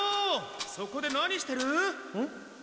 そこで何してる？ん？